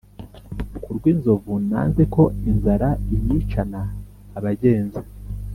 ku rw’inzovu nanze ko inzara inyicana abagenza